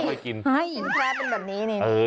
ไม่ใช่สินแพ้เป็นแบบนี้เนี่ย